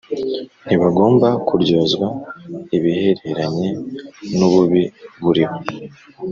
nti bagomba kuryozwa ibihereranye n ububi buriho